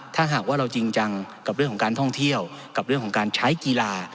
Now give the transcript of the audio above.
ถ้าหากว่าเราจริงจังกับเรื่องของการท่องเที่ยวกับเรื่องของการใช้กีฬา